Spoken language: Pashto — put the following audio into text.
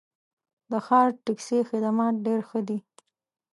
د ښار ټکسي خدمات ډېر ښه دي.